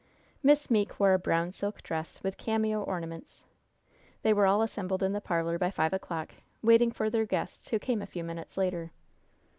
Miss Meeke wore a brown silk dress, with cameo ornaments. They were all assembled in the parlor by five o'clock, waiting for their guests, who came a few minutes later.